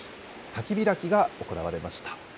滝開きが行われました。